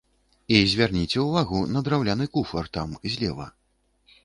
І звярніце ўвагу на драўляны куфар там, злева.